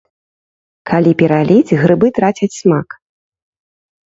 Калі пераліць, грыбы трацяць смак.